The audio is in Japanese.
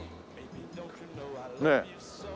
ねえ。